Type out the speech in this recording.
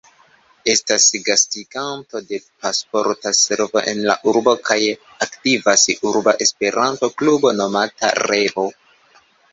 Estas gastiganto de Pasporta Servo en la urbo, kaj aktivas urba Esperanto-Klubo nomata "Revo".